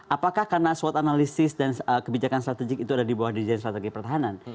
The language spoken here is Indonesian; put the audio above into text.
apakah karena swot analisis dan kebijakan strategik itu ada dibawah dirijen strategi pertahanan